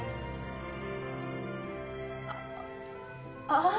あっああ。